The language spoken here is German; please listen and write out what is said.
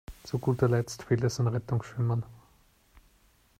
Zu guter Letzt fehlt es an Rettungsschwimmern.